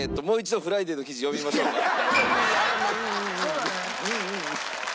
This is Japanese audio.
そうだね。